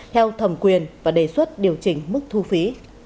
theo thẩm quyền và đề xuất điều chỉnh mức thu phí